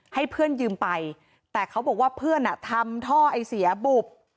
ให้เพื่อนยืมไปแต่เขาบอกว่าเพื่อนทำท่อไอเสียบุบ